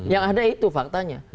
yang ada itu faktanya